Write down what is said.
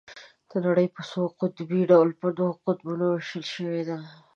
نړۍ په څو قطبي ډول په دوو قطبونو ويشل شوې ده.